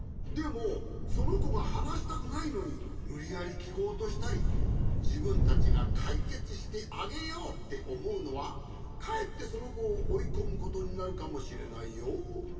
でもそのこがはなしたくないのにむりやりきこうとしたりじぶんたちがかいけつしてあげようっておもうのはかえってそのこをおいこむことになるかもしれないよ。